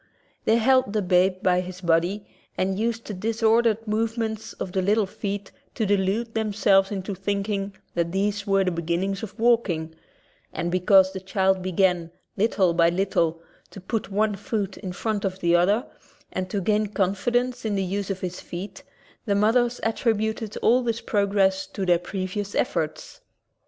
They held the babe by his body and used the dis ordered movements of the little feet to delude themselves into thinking that these were the beginnings of walking, and because the child began, little by little, to put one foot in front of the other and to gain confidence in the use of his feet, the mothers attributed all this pro gress to their previous efforts.